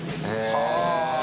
はあ！